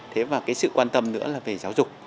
thế và cái sự quan tâm nữa là về giáo dục